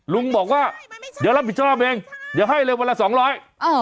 ลุงบอกว่าเดี๋ยวรับผิดชอบเองเดี๋ยวให้เลยวันละสองร้อยเออ